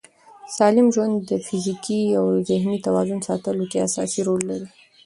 سالم ژوند د فزیکي او ذهني توازن ساتلو کې اساسي رول لري.